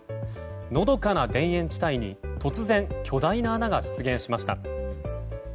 のどかな田園地帯に突然、巨大な穴が出現しました。